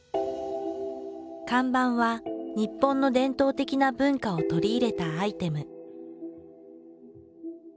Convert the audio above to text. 看板は日本の伝統的な文化を取り入れたアイテム。